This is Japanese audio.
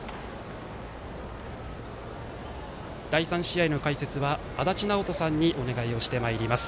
第３試合の解説は足達尚人さんにお願いします。